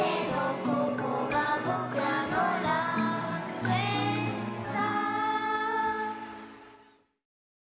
「ここがぼくらの楽園さ」